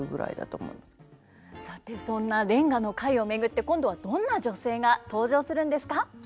さてそんな連歌の会を巡って今度はどんな女性が登場するんですか？